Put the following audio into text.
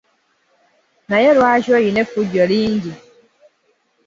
Naye lwaki olina efujjo lingi?